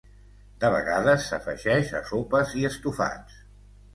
De vegades s'afegeix a sopes i estofats.